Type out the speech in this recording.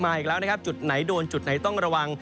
อีกแล้วนะครับจุดไหนโดนจุดไหนต้องระวัง